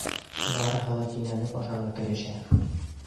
Барыһы ла кинәнеп ашарға керешә.